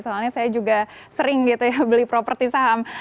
soalnya saya juga sering gitu ya beli properti saham